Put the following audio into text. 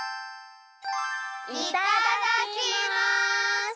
いただきます！